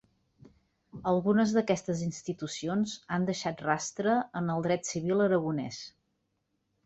Algunes d'aquestes institucions han deixat rastre en el dret civil aragonès.